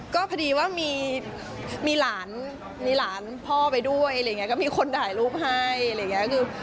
ก็พอดีว่ามีหลานมีหลานพ่อไปด้วยอะไรอย่างนี้ก็มีคนถ่ายรูปให้อะไรอย่างนี้